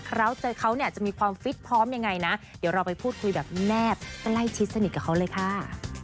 เราเจอเขาเนี่ยจะมีความฟิตพร้อมยังไงนะเดี๋ยวเราไปพูดคุยแบบแนบใกล้ชิดสนิทกับเขาเลยค่ะ